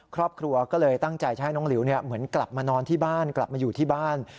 ครอบครัวก็เลยตั้งใจจะให้น้องหลิวเหมือนกลับมานอนที่บ้านกลับมาอยู่ที่บ้าน